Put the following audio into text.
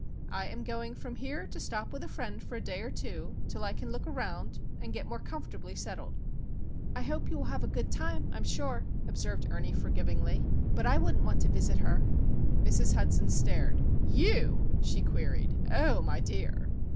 I am going from here to stop with a Friend for a day or two, till I can look around and get more comfortably settled." "I hope you will have a good time, I'm sure," observed Ernie, forgivingly. "But I wouldn't want to visit her." Mrs. Hudson stared. "You?" she queried. "Oh, my dear!"